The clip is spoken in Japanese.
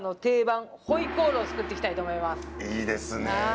いいですね。